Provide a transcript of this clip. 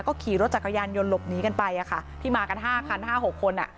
ก็ขี่รถจักรยานยนต์หลบหนีกันไปอ่ะค่ะที่มากันห้าคันห้าหกคนอ่ะ